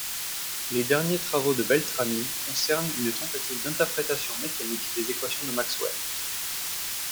Les derniers travaux de Beltrami concernent une tentative d'interprétation mécanique des équations de Maxwell.